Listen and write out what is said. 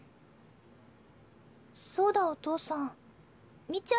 そうだお父さんみ